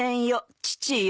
父よ」